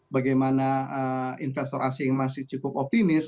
bagaimana investor asing masih cukup optimis